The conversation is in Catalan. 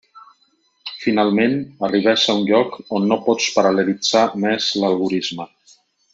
Finalment, arribes a un lloc on no pots paral·lelitzar més l'algorisme.